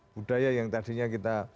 budaya yang tadinya kita